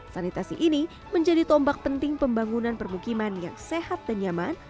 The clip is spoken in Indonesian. sanitasi ini menjadi tombak penting pembangunan permukiman yang sehat dan nyaman